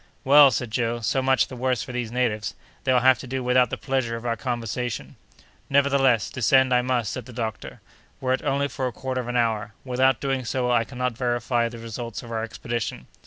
"Well!" said Joe, "so much the worse for these natives. They'll have to do without the pleasure of our conversation." "Nevertheless, descend I must," said the doctor, "were it only for a quarter of an hour. Without doing so I cannot verify the results of our expedition."